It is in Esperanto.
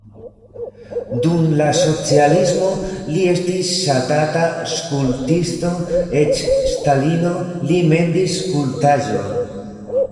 Dum la socialismo li estis ŝatata skulptisto, eĉ Stalino li mendis skulptaĵon.